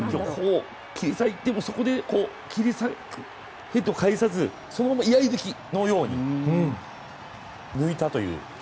切り裂いてでも、そこでヘッドを返さずそのまま居合抜きのように抜いたという。